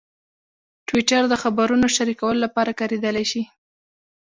ټویټر د خبرونو شریکولو لپاره کارېدلی شي.